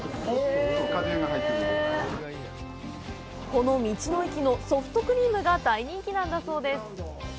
この道の駅のソフトクリームが大人気なんだそうです。